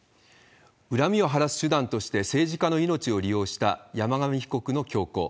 恨みを晴らす手段として、政治家の命を利用した山上被告の凶行。